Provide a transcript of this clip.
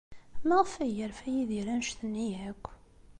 Maɣef ay yerfa Yidir anect-nni akk?